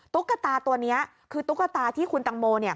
ตุ๊กตาตัวนี้คือตุ๊กตาที่คุณตังโมเนี่ย